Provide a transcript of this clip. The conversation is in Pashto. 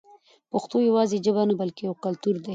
پښتو یوازې ژبه نه بلکې یو کلتور دی.